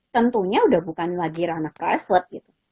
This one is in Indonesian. tentunya udah bukan lagi ranah private